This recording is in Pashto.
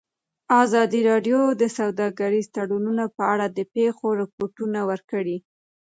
ازادي راډیو د سوداګریز تړونونه په اړه د پېښو رپوټونه ورکړي.